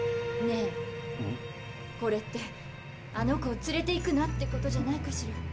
ねえこれってあの子を連れていくなってことじゃないかしら。